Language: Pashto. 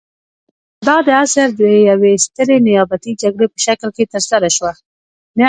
دا د عصر د یوې سترې نیابتي جګړې په شکل کې ترسره شوه.